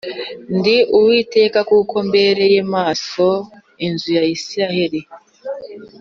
ndi Uwiteka kuko mbereye amaso inzu ya Isirayeli